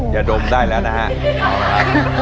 อย่าดมได้แล้วนะฮะ